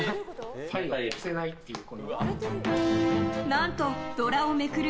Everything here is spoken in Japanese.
何と、ドラをめくる